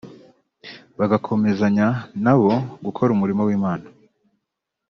bagakomezanya na bo gukora umurimo w’Imana